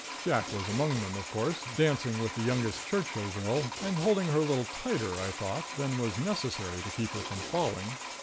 Jack was among them, of course, dancing with the youngest Churchill girl, and holding her a little tighter, I thought, than was necessary to keep her from falling.